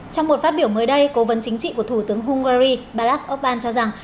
trong một phát biểu mới đây cố vấn chính trị của thủ tướng hungary balázs orbán cho rằng